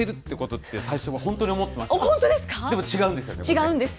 でも違うんですよね。